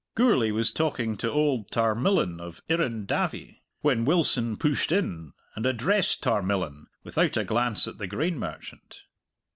Gourlay was talking to old Tarmillan of Irrendavie, when Wilson pushed in and addressed Tarmillan, without a glance at the grain merchant.